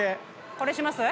これします？